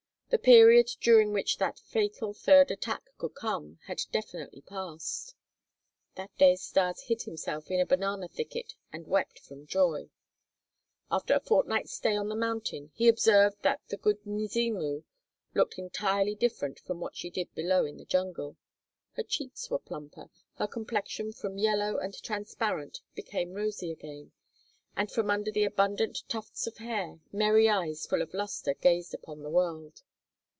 The period during which the fatal third attack could come, had definitely passed. That day Stas hid himself in a banana thicket and wept from joy. After a fortnight's stay on the mountain he observed that the "Good Mzimu" looked entirely different from what she did below in the jungle. Her cheeks were plumper, her complexion from yellow and transparent became rosy again, and from under the abundant tufts of hair, merry eyes full of luster gazed upon the world.